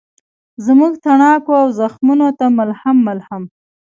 زموږ تڼاکو او زخمونوته ملهم، ملهم